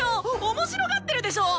面白がってるでしょ！